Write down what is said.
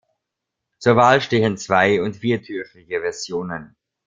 Zur Wahl stehen zwei- und viertürige Versionen.